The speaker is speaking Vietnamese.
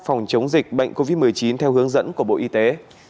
phòng chống dịch bệnh covid một mươi chín theo hướng dẫn của bộ y tế